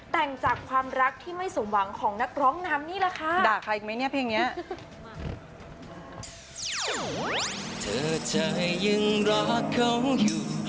แต่งจากความรักที่ไม่สมหวังของนักร้องน้ำนี่แหละค่ะ